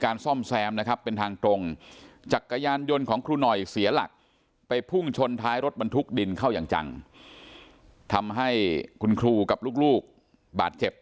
รถมันทุกดินเข้ายังจังทำให้คุณครูกับลูกลูกบาดเจ็บ